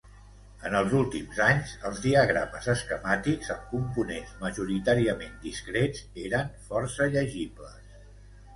En els últims anys, els diagrames esquemàtics amb components majoritàriament discrets eren força llegibles.